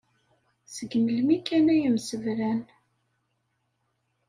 Seg melmi kan ay msebran.